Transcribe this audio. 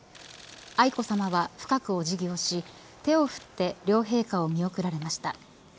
愛子さまは深くお辞儀をし手を振って両陛下を見送られました。